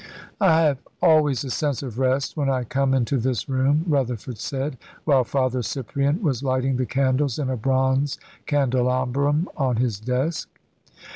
"I have always a sense of rest when I come into this room," Rutherford said, while Father Cyprian was lighting the candles in a bronze candelabrum on his desk.